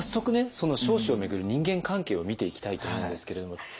その彰子を巡る人間関係を見ていきたいと思うんですけれども。